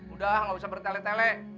udah gak bisa bertele tele